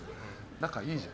仲いいじゃん。